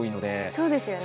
そうですよね。